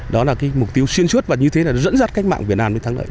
đó là mục tiêu xuyên suốt và như thế là dẫn dắt cách mạng việt nam đến thắng lợi